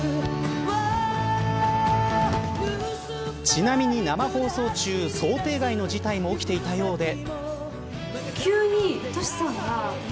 ちなみに生放送中想定外の事態も起きていたようで。